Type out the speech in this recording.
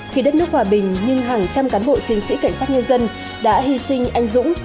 khi đất nước hòa bình nhưng hàng trăm cán bộ chiến sĩ cảnh sát nhân dân đã hy sinh anh dũng